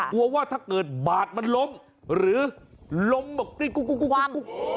กลัวว่าถ้าเกิดบาดมันล้มหรือล้มกลิ้นกุ๊กกุ๊ก